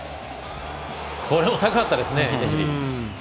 これも高かったですね。